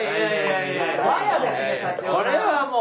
これはもう。